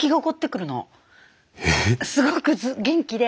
すごく元気で。